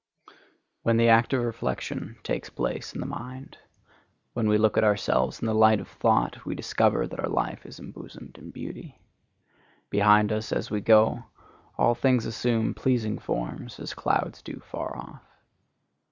SPIRITUAL LAWS When the act of reflection takes place in the mind, when we look at ourselves in the light of thought, we discover that our life is embosomed in beauty. Behind us, as we go, all things assume pleasing forms, as clouds do far off.